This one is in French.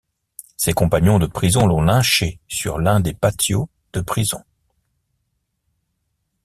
Ses compagnons de prison l'ont lynchée sur l'un des patios de prison.